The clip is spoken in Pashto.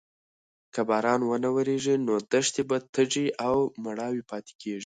که باران ونه وریږي نو دښتې به تږې او مړاوې پاتې شي.